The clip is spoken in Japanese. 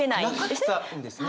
なかったんですね？